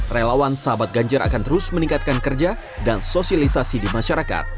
relawan sahabat ganjar akan terus meningkatkan kerja dan sosialisasi di masyarakat